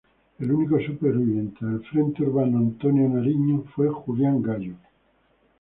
El único sobreviviente del Frente Urbano Antonio Nariño fue Julián Gallo.